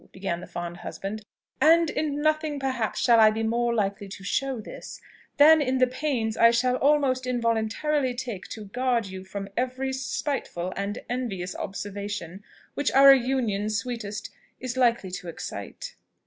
began the fond husband; "and in nothing perhaps shall I be more likely to show this, than in the pains I shall almost involuntarily take to guard you from every spiteful and envious observation which our union, sweetest, is likely to excite.